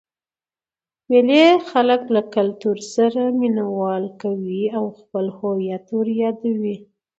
مېلې خلک له کلتور سره مینه وال کوي او خپل هويت ور په يادوي.